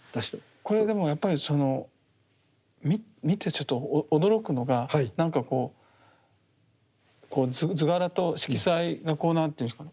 これでもやっぱりその見てちょっと驚くのがなんかこう図柄と色彩がこう何ていうんですかね。